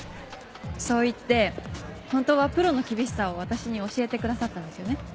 そう言って本当はプロの厳しさを私に教えてくださったんですよね。